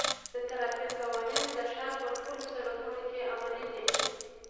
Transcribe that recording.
د ترافیک قوانین د ښار په ټولو سړکونو کې عملي دي.